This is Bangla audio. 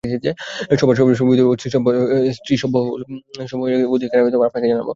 সভার অধিবেশনে স্ত্রীসভ্য লওয়া সম্বন্ধে নিয়মমত প্রস্তাব উত্থাপন করে যা স্থির হয় আপনাকে জানাব।